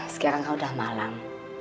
sekarang kau udah malam